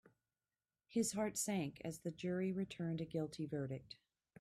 His heart sank as the jury returned a guilty verdict.